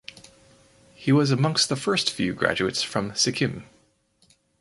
He was amongst the first few graduates from Sikkim.